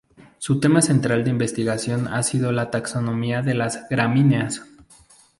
Su tema central de investigación ha sido la taxonomía de las gramíneas.